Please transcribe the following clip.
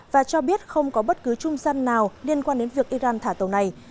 và cho biết không có bất cứ trung gian nào liên quan đến việc iran thả tàu này